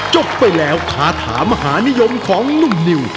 จบไปแล้วคาถามหานิยมของหนุ่มนิว